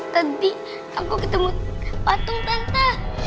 tadi aku ketemu patung tante